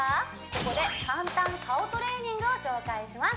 ここで簡単顔トレーニングを紹介します